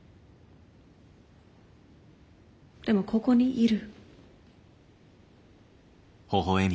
でもここにいる。